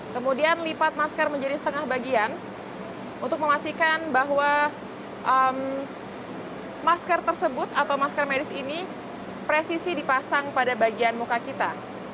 kemudian lipat masker menjadi setengah bagian untuk memastikan bahwa masker tersebut atau masker medis ini presisi dipasang pada bagian muka kita